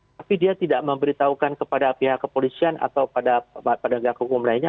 tapi dia tidak memberitahukan kepada pihak kepolisian atau pada penegak hukum lainnya